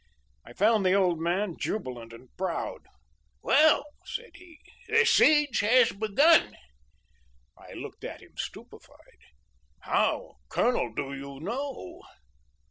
"I found the old man jubilant and proud."'Well,' said he, 'the siege has begun.'"I looked at him stupefied."'How, Colonel, do you know?